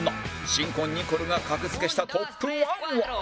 新婚ニコルが格付けしたトップ１は？